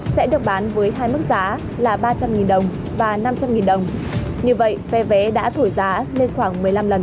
sẽ được bán với hai mức giá là ba trăm linh đồng và năm trăm linh đồng như vậy phe vé đã thổi giá lên khoảng một mươi năm lần